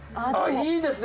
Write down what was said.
いいですね